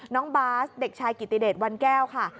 น้องบาสเด็กชายกิติเดชวันแก้วค่ะ